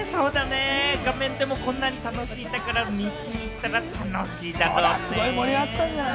画面でもこんなに楽しいんだから見に行ったら楽しいだろうね。